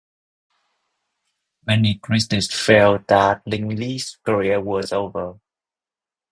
Many critics felt that Lin Li's career was over.